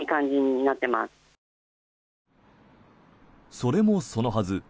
それもそのはず